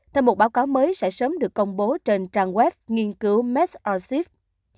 theo một báo cáo mới sẽ sớm được công bố trên trang web nghiên cứu medarchive